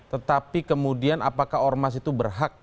tetapi kemudian apakah ormas itu berhak